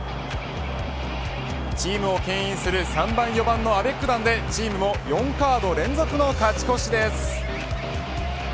チームをけん引する３番４番のアベック弾でチームも４カード連続の勝ち越しです。